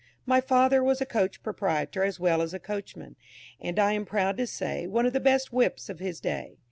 My father was a coach proprietor as well as a coachman, and, I am proud to say, one of the best whips of his day.